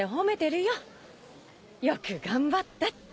よく頑張ったって。